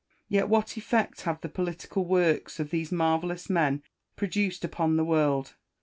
Yet what effect have the political works of these marvellous men produced upon the world